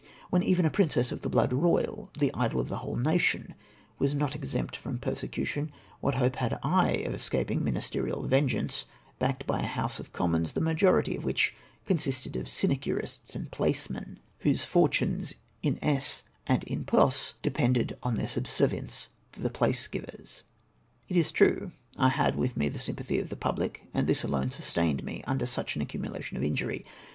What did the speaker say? Wlien even a princess of the blood royal, the idol of the whole nation, was not exempt from per secution, what hope had I of escaping ministerial ven geance, backed by a House of Commons, the majority of which consisted of sinecurists and placemen, whose fortunes in esse and in posse depended on then sub servience to the place givers ? It is true, I had with me the sympathy of the public, and this alone sustained me under such an accmuula tion of injury.